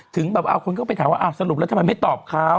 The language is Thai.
ถึงแบบเอาคนก็ไปถามว่าสรุปรัฐบาลไม่ตอบเขา